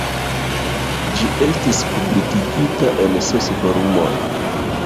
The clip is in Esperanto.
Ĝi estis publikigita en ses volumoj.